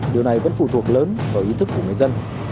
điều này vẫn phụ thuộc lớn vào ý thức của người dân